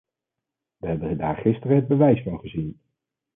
We hebben daar gisteren het bewijs van gezien.